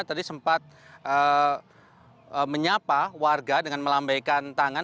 tadi sempat menyapa warga dengan melambaikan tangan